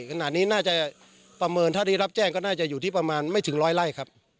ขณะนี้น่าจะประเมินถ้าได้รับแจ้งก็น่าจะอยู่ที่ประมาณไม่ถึงร้อยไร่ครับ